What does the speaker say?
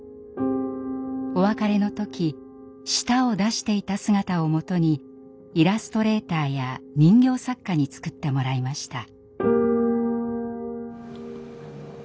お別れの時舌を出していた姿をもとにイラストレーターや人形作家に作ってもらいました。